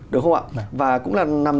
đúng không ạ và cũng là nằm